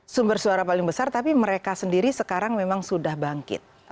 sumber suara paling besar tapi mereka sendiri sekarang memang sudah bangkit